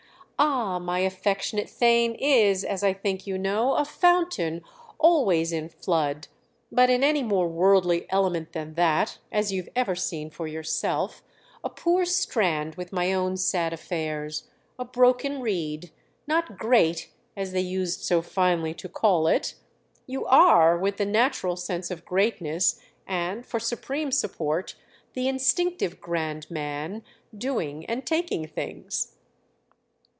"Ah, my affectionate Theign, is, as I think you know, a fountain always in flood; but in any more worldly element than that—as you've ever seen for yourself—a poor strand with my own sad affairs, a broken reed; not 'great' as they used so finely to call it! You are—with the natural sense of greatness and, for supreme support, the instinctive grand man doing and taking things."